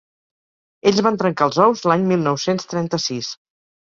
Ells van trencar els ous l'any mil nou-cents trenta-sis.